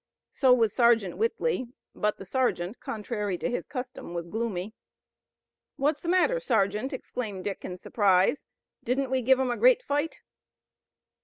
So was Sergeant Whitley, but the sergeant, contrary to his custom, was gloomy. "What's the matter, sergeant?" exclaimed Dick in surprise. "Didn't we give 'em a great fight?"